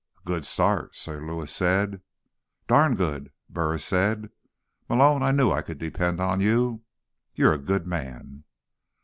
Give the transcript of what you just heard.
"A good start," Sir Lewis said. "Darn good," Burris said. "Malone, I knew I could depend on you. You're a good man."